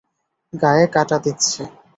গায়ে কাটা দিচ্ছে!